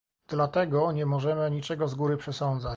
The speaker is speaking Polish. Dlatego nie możemy niczego z góry przesądzać